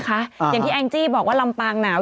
ก็เดี๋ยว๐๐ไงไม่มีอะ๐๐